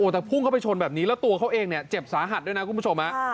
แต่พุ่งเข้าไปชนแบบนี้แล้วตัวเขาเองเนี่ยเจ็บสาหัสด้วยนะคุณผู้ชม